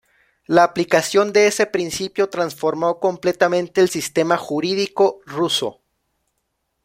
La aplicación de ese principio transformó completamente el sistema jurídico ruso.